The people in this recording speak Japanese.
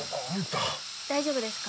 大丈夫ですか？